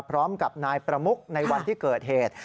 พร้อมกับนายประมุกในวันที่เกิดเหตุ